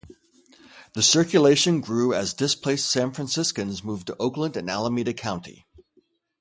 The circulation grew as displaced San Franciscans moved to Oakland and Alameda County.